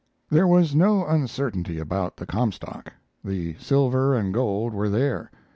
There was no uncertainty about the Comstock; the silver and gold were there.